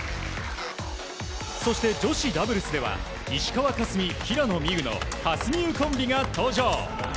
そして女子ダブルスでは石川佳純平野美宇のかすみうコンビが登場。